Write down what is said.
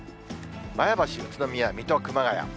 前橋、宇都宮、水戸、熊谷。